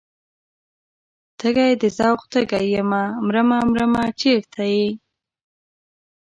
تږی د ذوق تږی یمه مرمه مرمه چرته یې؟